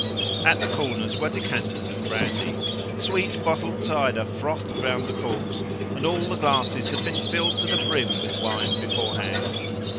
At the corners were decanters of brandy. Sweet bottled cider frothed round the corks, and all the glasses had been filled to the brim with wine beforehand.